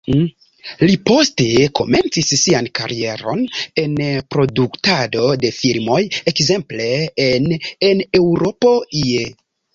Li poste komencis sian karieron en produktado de filmoj, ekzemple en En Eŭropo ie.